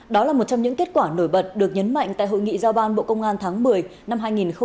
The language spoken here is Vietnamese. đó là một trong những kết quả nổi bật được nhấn mạnh tại hội nghị giao ban bộ công an tháng một mươi năm hai nghìn hai mươi ba